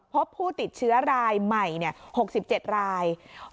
พบผู้ติดเชื้อรายใหม่๖๗ราย